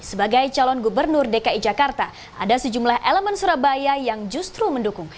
sebagai calon gubernur dki jakarta ada sejumlah elemen surabaya yang justru mendukung